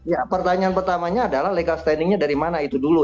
ya pertanyaan pertamanya adalah legal standingnya dari mana itu dulu